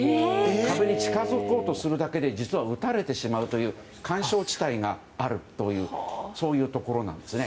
壁に近づこうとするだけで実は撃たれてしまうという緩衝地帯があるというそういうところなんですね。